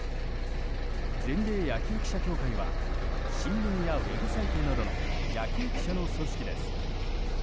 全米野球記者協会は新聞やウェブサイトなどの野球記者の組織です。